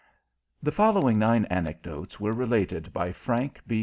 (The following nine anecdotes were related by Frank B.